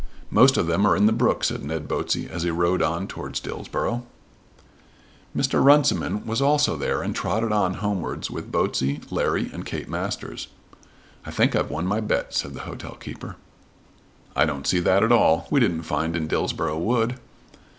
"Most of them are in the brook," said Ned Botsey as he rode on towards Dillsborough. Mr. Runciman was also there and trotted on homewards with Botsey, Larry, and Kate Masters. "I think I've won my bet," said the hotel keeper. "I don't see that at all. We didn't find in Dillsborough Wood."